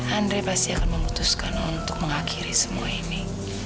andre pasti akan memutuskan untuk mengakhiri semua ini